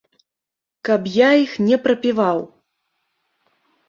Каб я іх не прапіваў.